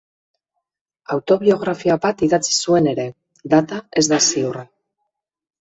Autobiografia bat idatzi zuen ere, data ez da ziurra.